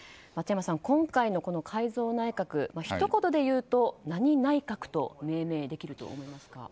今回の改造内閣ひと言で言うと何内閣と命名できると思いますか？